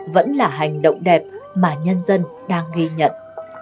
vẫn là hành động đẹp mà nhân dân đang ghi nhận